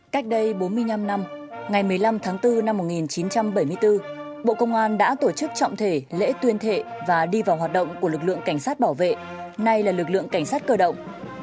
cách đây bốn mươi năm năm ngày một mươi năm tháng bốn năm một nghìn chín trăm bảy mươi bốn bộ công an đã tổ chức trọng thể lễ tuyên thệ và đi vào hoạt động của lực lượng cảnh sát bảo vệ nay là lực lượng cảnh sát cơ động